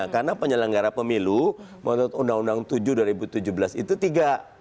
karena penyelenggara pemilu menurut undang undang tujuh dua ribu tujuh belas itu tiga